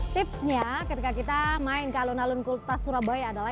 tipsnya ketika kita main ke alun alun kultas surabaya adalah